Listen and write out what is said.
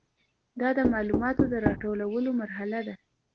دا د معلوماتو د راټولولو مرحله ده.